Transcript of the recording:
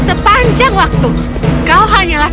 sepanjang waktu kau hanyalah setumpuk kartu dalam pernyataan ini